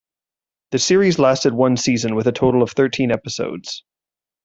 The series lasted one season, with a total of thirteen episodes.